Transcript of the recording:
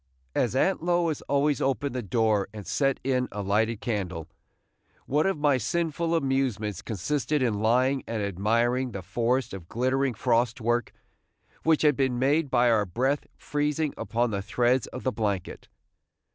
As Aunt Lois always opened the door and set in a lighted candle, one of my sinful amusements consisted in lying and admiring the forest of glittering frost work which had been made by our breath freezing upon the threads of the blanket.